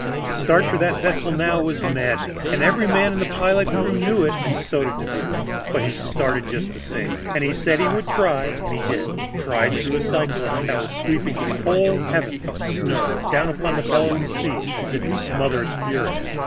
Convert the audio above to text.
To start for that vessel now was madness, and every man in the pilot crew knew it, and so did Devere. But he started just the same. He said he would try, and he did tried through a cyclone that was sweeping a whole heaven of snow down upon the bellowing sea as if to smother its fury.